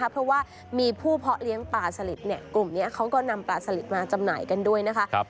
เพราะว่ามีผู้เพาะเลี้ยงปลาสลิดกลุ่มนี้เขาก็นำปลาสลิดมาจำหน่ายกันด้วยนะคะ